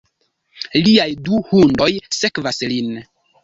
Liaj du hundoj sekvas lin.